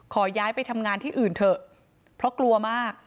ขอย้ายไปทำงานที่อื่นเถอะเพราะกลัวมาก